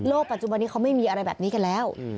ปัจจุบันนี้เขาไม่มีอะไรแบบนี้กันแล้ว